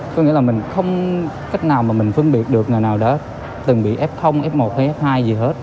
có nghĩa là mình không cách nào mà mình phân biệt được ngày nào đó từng bị f f một hay f hai gì hết